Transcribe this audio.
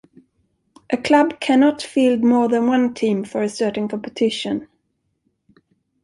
A club cannot field more than one team for a certain competition.